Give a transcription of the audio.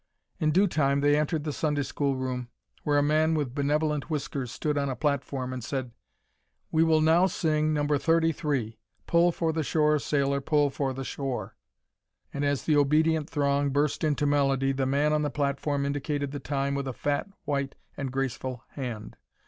In due time they entered the Sunday school room, where a man with benevolent whiskers stood on a platform and said, "We will now sing No. 33 'Pull for the Shore, Sailor, Pull for the Shore.'" And as the obedient throng burst into melody the man on the platform indicated the time with a fat, white, and graceful hand.